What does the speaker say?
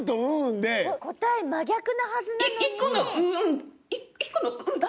答え真逆なはずなのに。